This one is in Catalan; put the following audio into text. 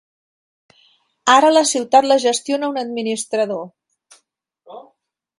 Ara la ciutat la gestiona un administrador.